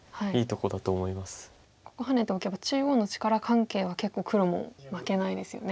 ここハネておけば中央の力関係は結構黒も負けないですよね。